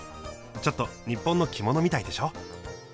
ちょっと日本の着物みたいでしょ。